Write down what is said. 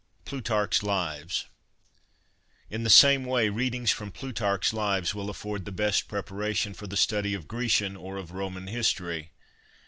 Plutarch's ' Lives.' In the same way, readings from Plutarch's Lives will afford the best prepara tion for the study of Grecian or of Roman history.